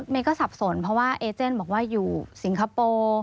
ก็สับสนเพราะว่าเอเจนบอกว่าอยู่สิงคโปร์